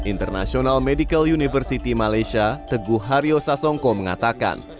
international medical university malaysia teguh haryo sasongko mengatakan